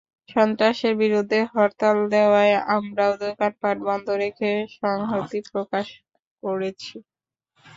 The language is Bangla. সন্ত্রাসের বিরুদ্ধে হরতাল দেওয়ায় আমরাও দোকানপাট বন্ধ রেখে সংহতি প্রকাশ করেছি।